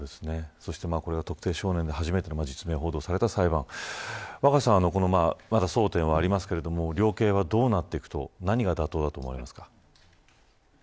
そしてこれが特定少年で初めて実名報道された裁判若狭さん、まだ争点はありますけれども量刑はどうなっていくと何が妥当だと思われますか。